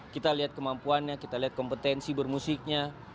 kita lihat kemampuannya kita lihat kompetensi bermusiknya